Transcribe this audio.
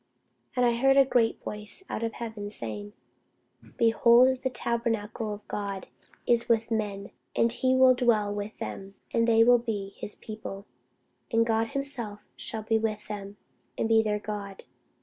And I heard a great voice out of heaven saying, Behold, the tabernacle of God is with men, and he will dwell with them, and they shall be his people, and God himself shall be with them, and be their God.